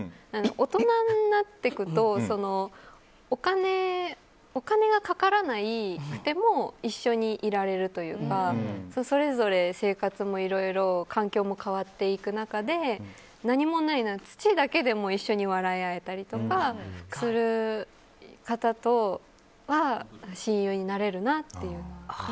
大人になっていくとお金がかからなくても一緒にいられるというかそれぞれ、生活もいろいろ環境も変わっていく中で何もない、土だけでも一緒に笑い合えたりする方とは親友になれるなっていう。